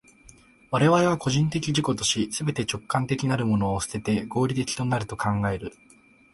我々は個人的自己として、すべて直観的なるものを棄てて、合理的となると考える。